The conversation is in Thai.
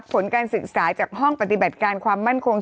ผลการศึกษาจากห้องปฏิบัติการความมั่นคง